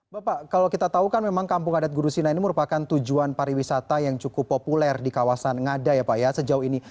bapak kalau kita tahu kan memang kampung adat gurusina ini merupakan tujuan pariwisata yang cukup populer di kawasan ngada ya pak ya sejauh ini